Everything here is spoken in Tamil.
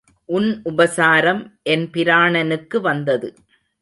உன் உபசாரம் என் பிராணனுக்கு வந்தது.